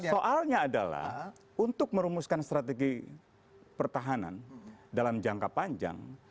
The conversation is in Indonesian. soalnya adalah untuk merumuskan strategi pertahanan dalam jangka panjang